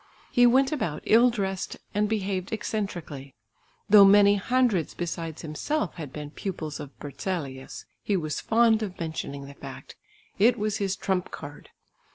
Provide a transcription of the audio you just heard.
He went about ill dressed and behaved eccentrically. Though many hundreds besides himself had been pupils of Berzelius, he was fond of mentioning the fact; it was his trump card.